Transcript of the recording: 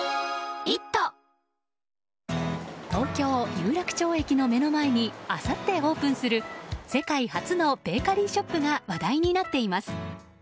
東京・有楽町駅の目の前にあさってオープンする世界初のベーカリーショップが話題になっています。